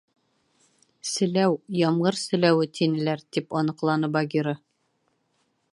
— Селәү, ямғыр селәүе тинеләр, — тип аныҡланы Багира.